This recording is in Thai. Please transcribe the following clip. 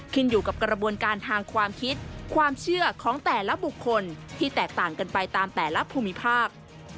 ขึ้นอยู่กับกระบวนการทางความคิดความเชื่อของแต่ละบุคคลที่แตกต่างกันไปตามแต่ละภูมิภาค